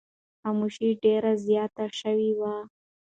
خاموشي ډېره زیاته شوې وه.